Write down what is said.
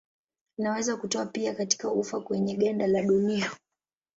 Inaweza kutoka pia katika ufa kwenye ganda la dunia.